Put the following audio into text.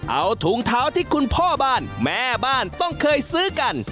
เอาถุงเท้าที่คุณพ่อบ้านแม่บ้านต้องเคยซื้อกัน